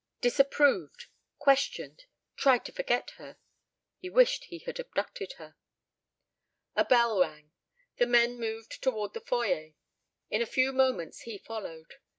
Disapproved! Questioned! Tried to forget her! He wished he had abducted her. A bell rang. The men moved toward the foyer. In a few moments he followed.